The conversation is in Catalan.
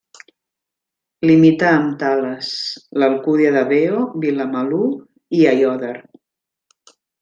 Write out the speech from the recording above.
Limita amb Tales, l'Alcúdia de Veo, Vilamalur i Aiòder.